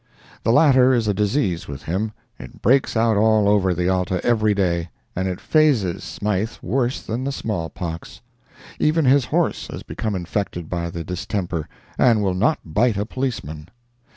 This latter is a disease with him; it breaks out all over the Alta every day; and it phazes Smythe worse than the small pox. Even his horse has become infected by the distemper, and will not bite a police man.